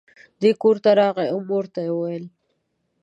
دی کور ته راغی او مور ته یې وویل.